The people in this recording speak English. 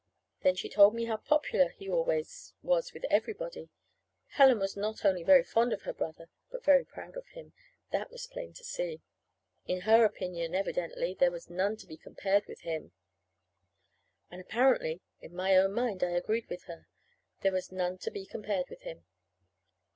Then she told me how popular he always was with everybody. Helen was not only very fond of her brother, but very proud of him. That was plain to be seen. In her opinion, evidently, there was none to be compared with him. And apparently, in my own mind, I agreed with her there was none to be compared with him.